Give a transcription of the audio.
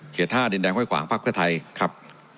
เกียรติ๕ดินแดงไห้กว่างภาพเกษตรไทยครับ